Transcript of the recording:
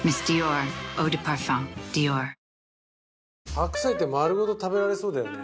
白菜って丸ごと食べられそうだよね